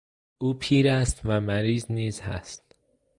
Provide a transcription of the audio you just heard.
او پیر است و مریض نیز هست.